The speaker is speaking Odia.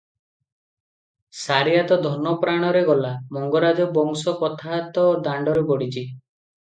ସାରିଆ ତ ଧନ-ପ୍ରାଣରେ ଗଲା, ମଙ୍ଗରାଜ ବଂଶ କଥା ତ ଦାଣ୍ତରେ ପଡ଼ିଛି ।